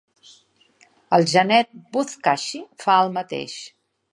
El genet buzkashi fa el mateix.